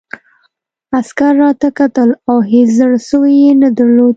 عسکر راته کتل او هېڅ زړه سوی یې نه درلود